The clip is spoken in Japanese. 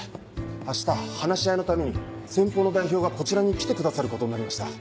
あした話し合いのために先方の代表がこちらに来てくださることになりました。